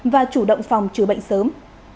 và chủ động phòng trừ bệnh sớm